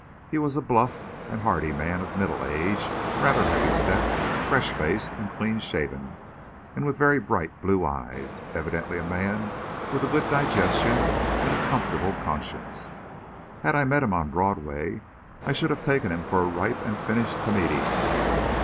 He was a bluff and hearty man of middle age, rather heavy set, fresh faced and clean shaven, and with very bright blue eyes evidently a man with a good digestion and a comfortable conscience. Had I met him on Broadway, I should have taken him for a ripe and finished comedian.